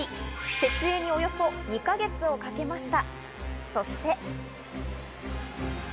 設営におよそ２か月をかけました。